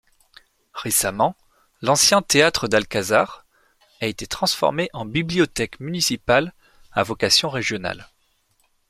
Récemment, l'ancien théâtre l'Alcazar a été transformé en bibliothèque municipale à vocation régionale.